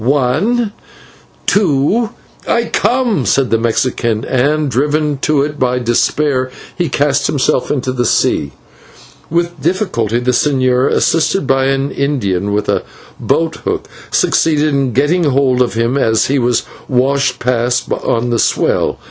One, two " "I come," said the Mexican, and, driven to it by desperation, he cast himself into the sea. With difficulty the señor, assisted by an Indian with a boathook, succeeded in getting hold of him as he was washed past on the swell.